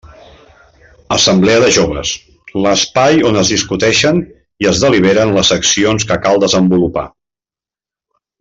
Assemblea de joves: l'espai on es discuteixen i es deliberen les accions que cal desenvolupar.